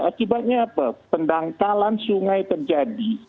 akibatnya apa pendangkalan sungai terjadi